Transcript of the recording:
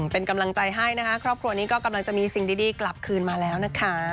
เป็นกำลังใจให้นะคะครอบครัวนี้ก็กำลังจะมีสิ่งดีกลับคืนมาแล้วนะคะ